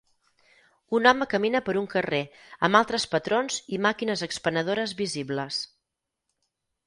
Un home camina per un carrer amb altres patrons i màquines expenedores visibles.